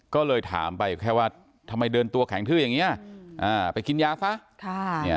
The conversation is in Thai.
ก็เลยถามไปแค่ว่าทำไมเดินตัวแข็งทื้ออย่างนี้ไปกินยาซะ